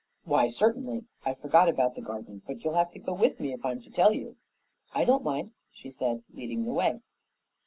"Why, certainly. I forgot about the garden; but then you'll have to go with me if I'm to tell you." "I don't mind," she said, leading the way.